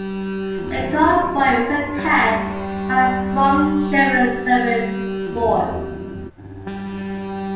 The convoy was attacked by a strong German surface force.